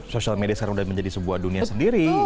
sosial media sekarang sudah menjadi sebuah dunia sendiri